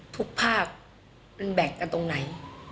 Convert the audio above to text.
ทุกภาคมันแบ่งกันตรงไหน